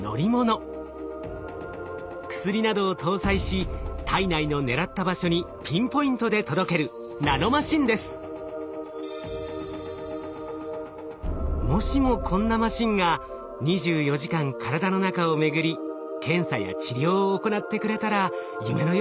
薬などを搭載し体内の狙った場所にピンポイントで届けるもしもこんなマシンが２４時間体の中を巡り検査や治療を行ってくれたら夢のようですよね。